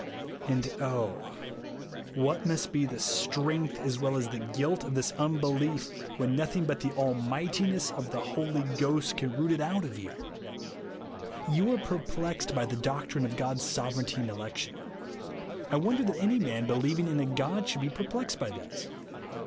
And oh ! what must be the strength as well as tlie guilt of this un belief, when nothing but the almightiness of the Holy Ghost can root it out of you 1 n2 1 50 THE WANT OF POWER TO BELIEVE. You are perplexed by the doctrine of God's sovereignty and election. I Avonder that any man believing in a God should be perplexed by these.